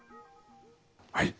はい。